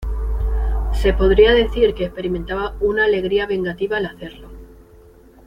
Se podría decir que experimentaba una alegría vengativa al hacerlo.